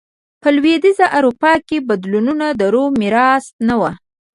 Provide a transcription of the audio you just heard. په لوېدیځه اروپا کې بدلونونه د روم میراث نه و